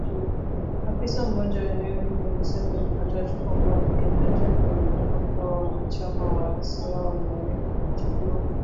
Afisa mmoja wa eneo hilo alisema Jumatatu kwamba wapiganaji wanaoaminika kuwa wanachama wa waasi hao walivamia kijiji cha Bulongo